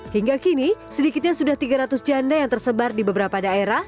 hingga kini sedikitnya sudah tiga ratus janda yang tersebar di beberapa daerah